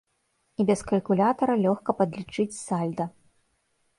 І без калькулятара лёгка падлічыць сальда.